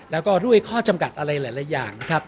แล้วก็ด้วยข้อจำกัดอะไรหลายอย่างนะครับ